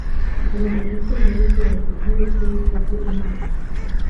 ubu mu gitondo nibwo batubwiye ko yitabye Imana